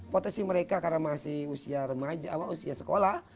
potensi mereka karena masih usia remaja usia sekolah